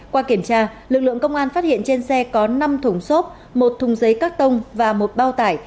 qua kiểm tra lực lượng công an phát hiện trên xe có năm thùng xốp một thùng giấy các tông và một bao tải